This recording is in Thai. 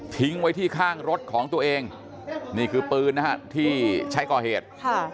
ทิ้งไว้ที่ข้างรถของตัวเองนี่คือปืนนะฮะที่ใช้ก่อเหตุ